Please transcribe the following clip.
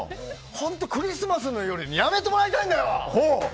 本当クリスマスの夜にやめてもらいたいんだよ！